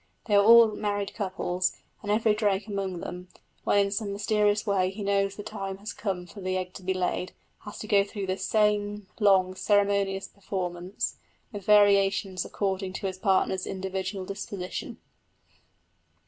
They are all married couples; and every drake among them, when in some mysterious way he knows the time has come for the egg to be laid, has to go through the same long ceremonious performance, with variations according to his partner's individual disposition.